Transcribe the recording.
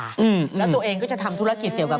อืมแล้วตัวเองก็จะทำธุรกิจเกี่ยวกับ